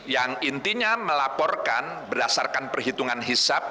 yang intinya melaporkan berdasarkan perhitungan hisap